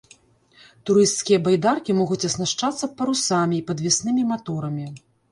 Турысцкія байдаркі могуць аснашчацца парусамі і падвеснымі маторамі.